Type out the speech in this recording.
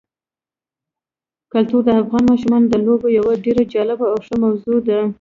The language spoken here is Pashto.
کلتور د افغان ماشومانو د لوبو یوه ډېره جالبه او ښه موضوع ده.